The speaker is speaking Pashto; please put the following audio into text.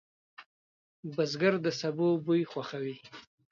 بزګر د سبو بوی خوښوي